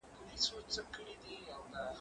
زه اجازه لرم چي ليک ولولم